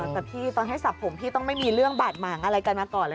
แต่พี่ตอนให้สับผมพี่ต้องไม่มีเรื่องบาดหมางอะไรกันมาก่อนเลย